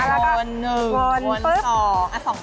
อ่าวนหนึ่งวนสองสองรอ